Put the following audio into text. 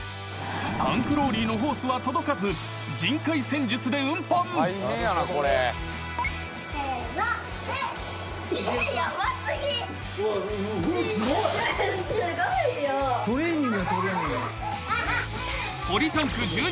［タンクローリーのホースは届かず人海戦術で運搬］せーの。